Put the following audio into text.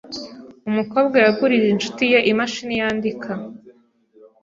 Umukobwa yagurije inshuti ye imashini yandika.